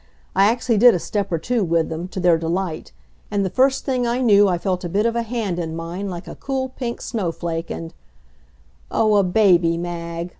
I actually did a step or two with them, to their delight, and the first thing I knew I felt a bit of a hand in mine like a cool pink snowflake and Oh, a baby, Mag!